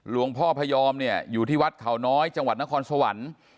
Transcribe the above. หลวงพ่อพยอมเนี่ยอยู่ที่วัดเขาน้อยจังหวัดนครสวรรค์